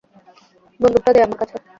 বন্দুকটা দে আমার কাছে।